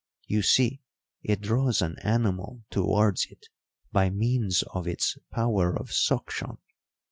You see, it draws an animal towards it by means of its power of suction.